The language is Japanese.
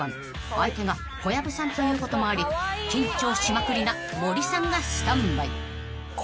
［相手が小籔さんということもあり緊張しまくりな森さんがスタンバイ］